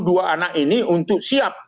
dua anak ini untuk siap